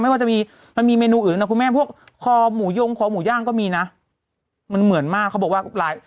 ว่าจะมีมันมีเมนูอื่นนะคุณแม่พวกคอหมูยงคอหมูย่างก็มีนะมันเหมือนมากเขาบอกว่าหลาย